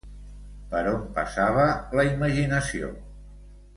Per on passava la imaginació?